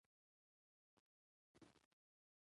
کارمل د اصلاحاتو هڅه وکړه، خو ناکامه شوه.